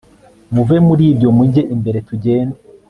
muve muribyo mujye imbere tugende